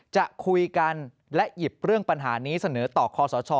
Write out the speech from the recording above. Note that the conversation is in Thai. จะคุยกันและหยิบเรื่องปัญหานี้เสนอต่อคอสช